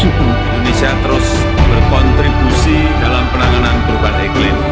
indonesia terus berkontribusi dalam penanganan perubahan iklim